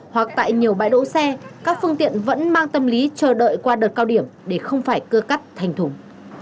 hoặc tại nhiều bãi đỗ xe các phương tiện vẫn mang tâm lý chờ đợi qua đợt cao điểm để không phải cưa cắt thành thùng